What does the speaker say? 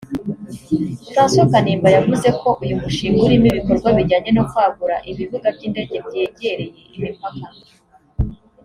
François Kanimba yavuze ko uyu mushinga urimo ibikorwa bijyanye no kwagura ibibuga by’indege byegereye imipaka